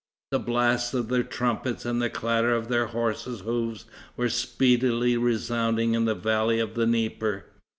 The blasts of their trumpets and the clatter of their horses' hoofs were speedily resounding in the valley of the Dnieper.